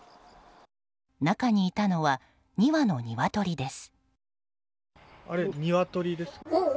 中にいたのは２羽のニワトリです。